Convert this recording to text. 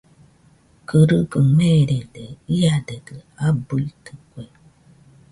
Kɨrɨgaɨ meerede, iadedɨ abɨitɨkue.